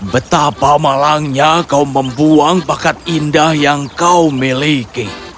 betapa malangnya kau membuang bakat indah yang kau miliki